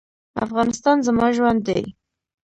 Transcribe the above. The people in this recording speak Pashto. افغانستان زما ژوند دی